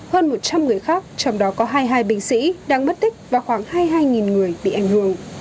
hơn một trăm linh người khác trong đó có hai mươi hai binh sĩ đang mất tích và khoảng hai mươi hai người bị ảnh hưởng